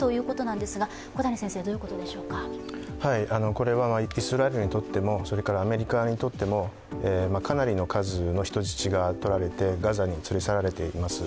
これはイスラエルにとってもアメリカにとっても、かなりの数の人質がとられて、ガザに連れ去られています。